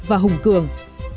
và hùng cường